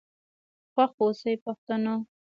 خوښ آوسئ پښتنو.